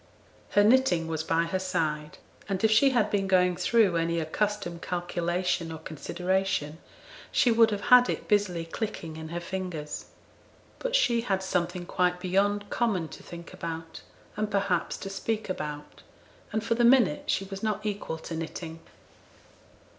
Her knitting was by her side; and if she had been going through any accustomed calculation or consideration she would have had it busily clinking in her fingers. But she had something quite beyond common to think about, and, perhaps, to speak about; and for the minute she was not equal to knitting.